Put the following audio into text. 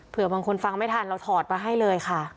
บางคนฟังไม่ทันเราถอดมาให้เลยค่ะ